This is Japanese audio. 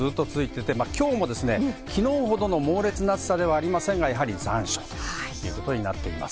今日も昨日ほどの猛烈な暑さではありませんが、残暑ということになっています。